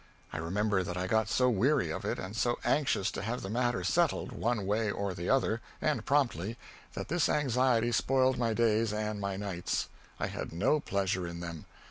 I remember that I got so weary of it and so anxious to have the matter settled one way or the other, and promptly, that this anxiety spoiled my days and my nights. I had no pleasure in them.